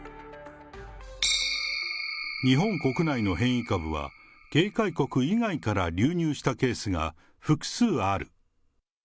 日本国内の変異株は、警戒国以外から流入したケースが複数ある。